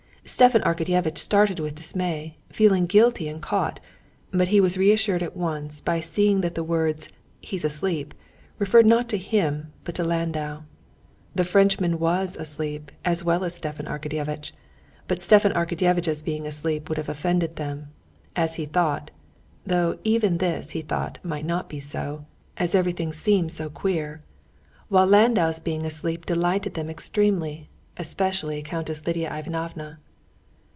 Stepan Arkadyevitch started with dismay, feeling guilty and caught. But he was reassured at once by seeing that the words "he's asleep" referred not to him, but to Landau. The Frenchman was asleep as well as Stepan Arkadyevitch. But Stepan Arkadyevitch's being asleep would have offended them, as he thought (though even this, he thought, might not be so, as everything seemed so queer), while Landau's being asleep delighted them extremely, especially Countess Lidia Ivanovna.